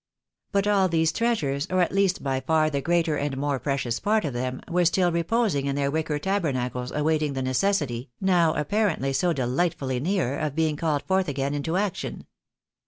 But all these treasures, or at least by far the greater and more precious part of them, were still reposing in their wicker tabernacles awaiting the necessity, now apparently so delightfully near, of being called forth again into action.